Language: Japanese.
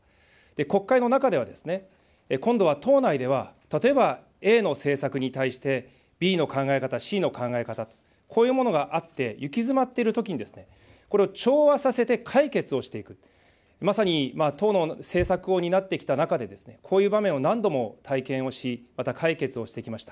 国会の中では、今度は党内では、例えばＡの政策に対してＢの考え方、Ｃの考え方と、こういうものがあって行き詰まっているときに、これを調和させて解決をしていく、まさに党の政策を担ってきた中で、こういう場面を何度も体験をし、また解決をしてきました。